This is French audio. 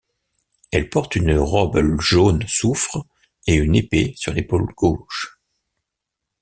Elle porte une robe jaune soufre et une épée sur l'épaule gauche.